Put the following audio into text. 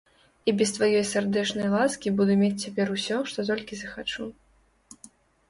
І без тваёй сардэчнай ласкі буду мець цяпер усё, што толькі захачу.